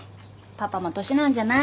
パパも年なんじゃない？